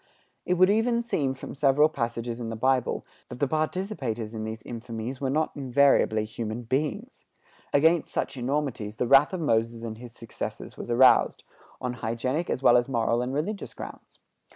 It would even seem, from several passages in the Bible, that the participators in these infamies were not invariably human beings. Against such enormities the wrath of Moses and his successors was aroused, on hygienic as well as moral and religious grounds.